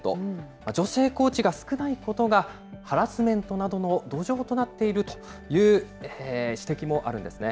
女性コーチが少ないことが、ハラスメントなどの土壌となっているという指摘もあるんですね。